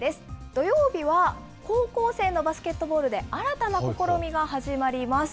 土曜日は高校生のバスケットボールで新たな試みが始まります。